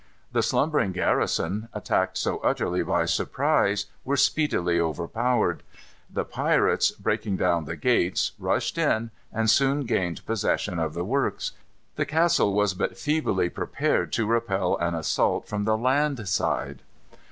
The slumbering garrison, attacked so utterly by surprise, were speedily overpowered. The pirates, breaking down the gates, rushed in, and soon gained possession of the works. The castle was but feebly prepared to repel an assault from the land side.